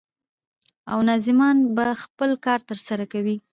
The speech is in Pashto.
او نظامیان به خپل کار ترسره کوي.